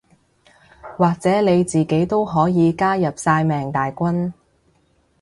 或者你自己都可以加入曬命大軍